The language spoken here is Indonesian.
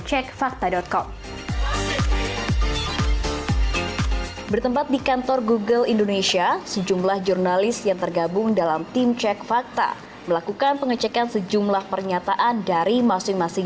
jawa press nomor urut satu maruf amin berlaga dengan jawa press nomor urut dua sandiaga udo dalam gelaran debat pada minggu malam